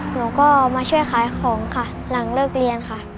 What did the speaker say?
หนูก็มาช่วยขายของค่ะหลังเลิกเรียนค่ะ